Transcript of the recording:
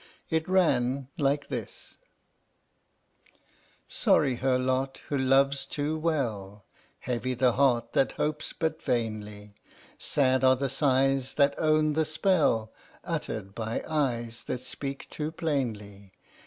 It ran like this: Sorry her lot who loves too well, Heavy the heart that hopes but vainly, Sad are the sighs that own the spell Uttered by eyes that speak too plainly!